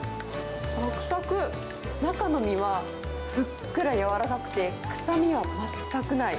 さくさく、中の身はふっくらやわらかくて、臭みは全くない。